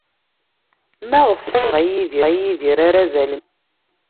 Maɣef ay d-yesɣa Yidir arazal-nni?